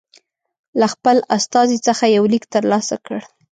له خپل استازي څخه یو لیک ترلاسه کړ.